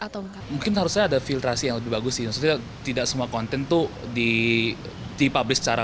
atau mungkin harusnya ada filtrasi yang lebih bagus tidak semua konten tuh di di publish cara